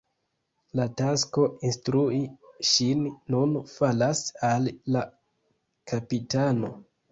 La tasko instrui ŝin nun falas al la kapitano.